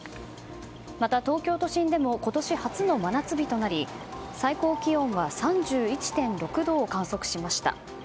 また東京都心でも今年初の真夏日となり最高気温は３１．６度を観測しました。